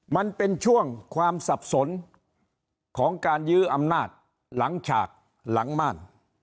มันเป็นช่วงความสับสนของการยื้ออำนาจหลังฉากหลังม่าน